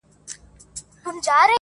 • پرېږده جهاني د ځوانیمرګو د محفل کیسه -